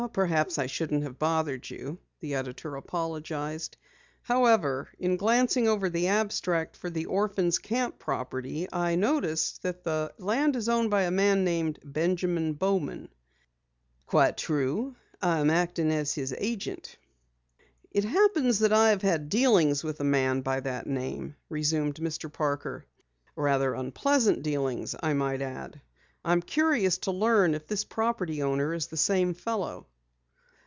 "Perhaps I shouldn't have bothered you," the editor apologized. "However, in glancing over the abstract for the Orphans' Camp property I noticed that the land is owned by a man named Benjamin Bowman." "Quite true. I am acting as his agent." "It happens that I have had dealings with a man by that same name," resumed Mr. Parker. "Rather unpleasant dealings, I might add. I'm curious to learn if this property owner is the same fellow."